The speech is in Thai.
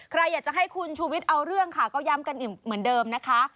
ใครอยากจะให้คุณชูวิทย์เอาเรื่องค่ะก็ย้ำกันเหมือนเดิมนะคะ